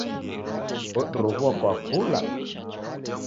Odiroghua kwa kula